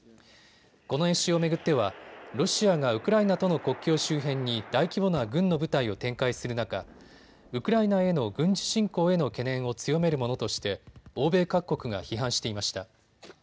この演習を巡ってはロシアがウクライナとの国境周辺に大規模な軍の部隊を展開する中、ウクライナへの軍事侵攻への懸念を強めるものとして欧米各国が批判していました。